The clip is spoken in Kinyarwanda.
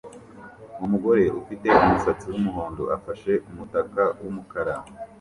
Umugore ufite umusatsi wumuhondo afashe umutaka wumukara